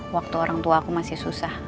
waktu orang tua aku masih susah